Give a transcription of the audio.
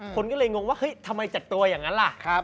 คนก็เลยงงว่าเฮ้ยทำไมจัดตัวอย่างนั้นล่ะ